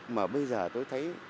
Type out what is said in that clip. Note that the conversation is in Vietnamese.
mà bây giờ tôi thấy